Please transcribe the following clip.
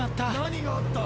何があった？